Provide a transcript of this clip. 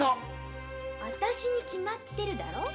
私に決まってるだろう。